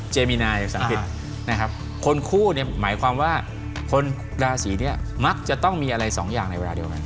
เจมีนายภาษาอังกฤษนะครับคนคู่เนี่ยหมายความว่าคนราศีนี้มักจะต้องมีอะไรสองอย่างในเวลาเดียวกัน